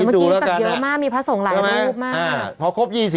เออแต่เมื่อกี้เยอะมากมีพระส่งหลายรูปมากนะครับใช่ไหม